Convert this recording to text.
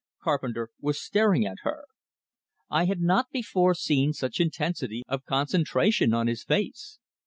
Carpenter was staring at her. I had not before seen such intensity of concentration on his face.